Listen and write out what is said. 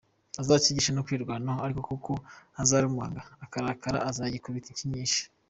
Azakigishe no kwirwanaho ariko kuko uzarumanga akarakara azagikubita inshyi nyinshi.